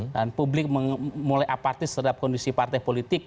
dan publik mulai apatis terhadap kondisi partai politik